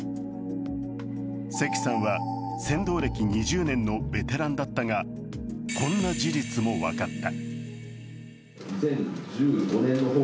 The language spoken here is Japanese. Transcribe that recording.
関さんは船頭歴２０年のベテランだったがこんな事実も分かった。